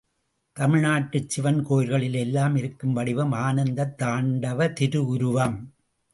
தமிழ்நாட்டுச் சிவன் கோயில்களில் எல்லாம் இருக்கும் வடிவம் ஆனந்தத் தாண்டவ திருஉருவம்.